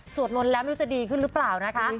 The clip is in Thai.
มนต์แล้วไม่รู้จะดีขึ้นหรือเปล่านะคะ